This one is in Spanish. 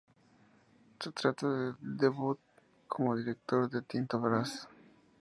Se trata del debut como director de Tinto Brass.